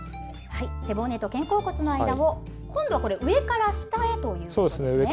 背骨と肩甲骨の間を今度は上から下へといくんですね。